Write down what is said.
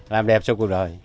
làm đẹp cho cuộc đời